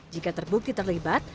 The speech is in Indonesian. jika terbukti terlibat